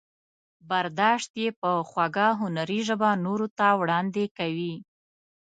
برداشت یې په خوږه هنري ژبه نورو ته وړاندې کوي.